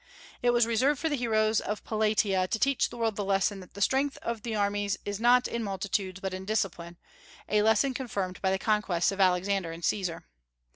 It was reserved for the heroes of Plataea to teach the world the lesson that the strength of armies is not in multitudes but in discipline, a lesson confirmed by the conquests of Alexander and Caesar.